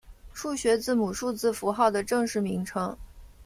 数学字母数字符号的正式名称。